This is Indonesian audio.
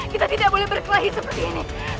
kita tidak boleh berkelahi seperti ini